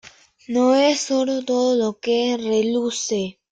No es oro todo lo que reluce.